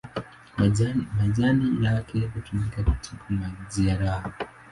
Majani yake hutumika kutibu majeraha.